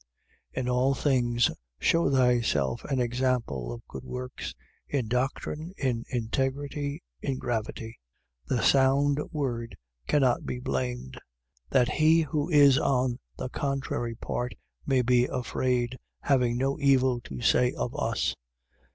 2:7. In all things shew thyself an example of good works, in doctrine, in integrity, in gravity, 2:8. The sound word that can not be blamed: that he who is on the contrary part may be afraid, having no evil to say of us.